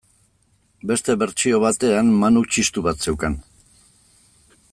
Beste bertsio batean, Manuk txistu bat zeukan.